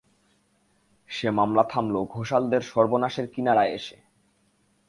সে মামলা থামল ঘোষালদের সর্বনাশের কিনারায় এসে।